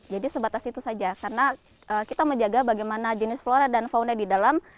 jadi sebatas itu saja karena kita menjaga bagaimana jenis flora dan fauna di dalam